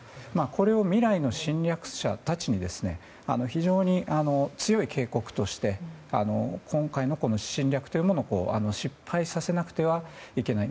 これを未来の侵略者たちに非常に強い警告として今回の侵略というものを失敗させなくてはいけない。